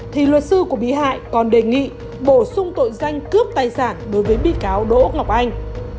thì luật sư của bị hại còn đề nghị bổ sung tội danh cướp tài sản đối với bị cáo đỗ ngọc anh